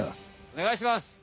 おねがいします。